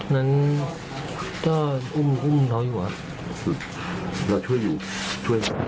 นั้นก็อุ้มเขาอยู่ครับแล้วช่วยอยู่ช่วย